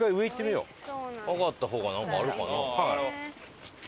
上がった方があるかな。